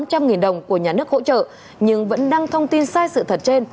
các đối tượng đã nhận được số tiền của nhà nước hỗ trợ nhưng vẫn đăng thông tin sai sự thật trên